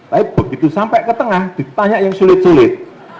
tapi begitu sampai ke tengah ditanya yang sulit sulit